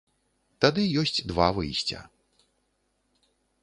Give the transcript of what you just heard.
Тады ёсць два выйсця.